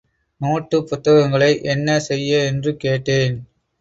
நோட்டுப் புத்தகங்களை என்ன செய்ய என்று கேட்டேன்.